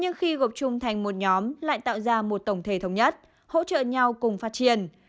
nhưng khi gộp chung thành một nhóm lại tạo ra một tổng thể thống nhất hỗ trợ nhau cùng phát triển